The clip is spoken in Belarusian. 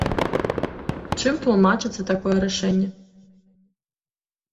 Чым тлумачыцца такое рашэнне?